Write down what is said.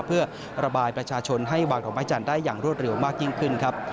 เพื่อระบายประชาชนให้วางดอกไม้จันทร์ได้อย่างรวดเร็วมากยิ่งขึ้นครับ